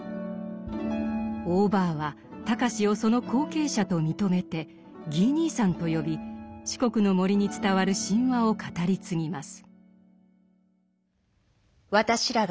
オーバーは隆をその後継者と認めて「ギー兄さん」と呼び四国の森に伝わる神話を語り継ぎます。